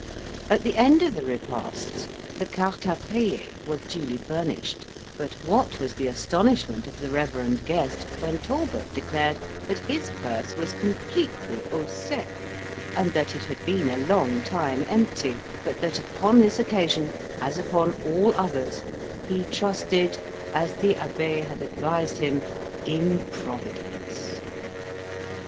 At the end of the repast the carte a payer was duly furnished; but what was the astonishment of the reverend guest when Talbot declared that his purse was completely au sec, and that it had been a long time empty; but that upon this occasion, as upon all others, he trusted, as the abbe had advised him, in Providence.